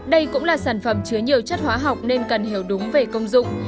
đây cũng là sản phẩm chứa nhiều chất hóa học nên cần hiểu đúng về công dụng